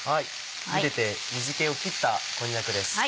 ゆでて水気を切ったこんにゃくです。